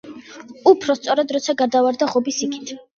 უფრო სწორედ, როცა გადავარდა ღობის იქით.